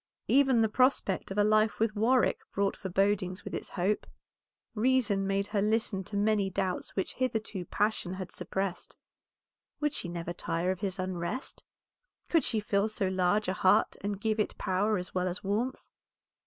Even the prospect of a life with Warwick brought forebodings with its hope. Reason made her listen to many doubts which hitherto passion had suppressed. Would she never tire of his unrest? Could she fill so large a heart and give it power as well as warmth?